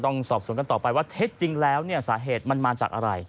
ก็ต้องสอบสวนกันต่อไปว่าเท็จจริงแล้วสาเหตุมันมาจากอะไร